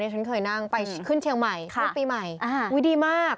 ฉันเคยนั่งไปขึ้นเชียงใหม่ช่วงปีใหม่อุ้ยดีมาก